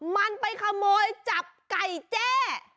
มันไปขโมยจับไก่แจ้